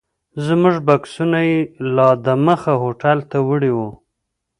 زموږ بکسونه یې لا دمخه هوټل ته وړي وو.